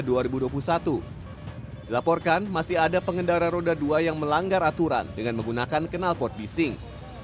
dilaporkan masih ada pengendara roda dua yang melanggar aturan dengan menggunakan kenal pot bising